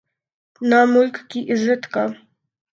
نہ ملک کی عزت کا۔